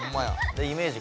でイメージ